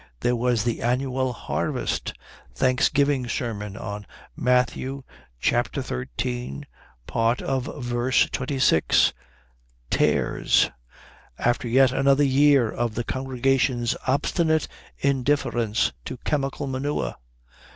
There was the annual Harvest Thanks giving sermon on Matthew xiii., part of verse 26, Tares, after yet another year of the congregation's obstinate indifference to chemical manure.